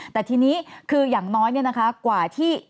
แต่ทีนี้คืออย่างน้อยกว่าที่